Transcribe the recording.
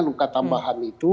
luka tambahan itu